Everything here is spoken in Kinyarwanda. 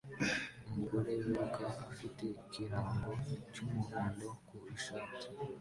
umugore wiruka afite ikirango cy'umuhondo ku ishati ye